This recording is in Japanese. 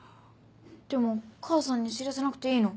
でも母さんに知らせなくていいの？